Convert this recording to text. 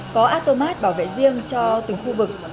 có automat bảo vệ riêng cho từng khu vực